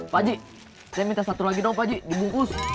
pak haji saya minta satu lagi dong pak haji dibungkus